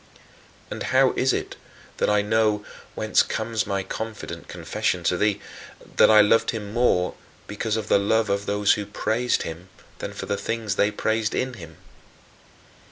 And how is it that I know whence comes my confident confession to thee that I loved him more because of the love of those who praised him than for the things they praised in him?